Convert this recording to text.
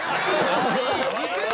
似てる！